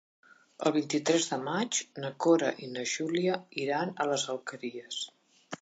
El vint-i-tres de maig na Cora i na Júlia iran a les Alqueries.